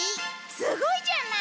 すごいじゃない！